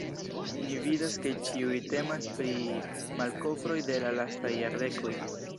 Ni vidas ke ĉiuj temas pri malkovroj de la lastaj jardekoj.